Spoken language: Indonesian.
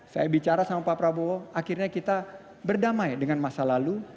saya bicara sama pak prabowo akhirnya kita berdamai dengan masa lalu